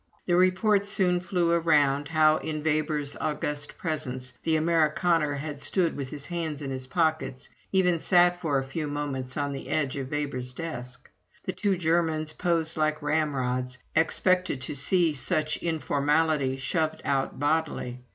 The report soon flew around, how, in Weber's august presence, the Amerikaner had stood with his hands in his pockets even sat for a few moments on the edge of Weber's desk. The two Germans, posed like ramrods, expected to see such informality shoved out bodily.